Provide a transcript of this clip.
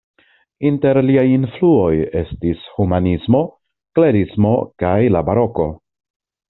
Inter liaj influoj estis humanismo, klerismo kaj la Baroko.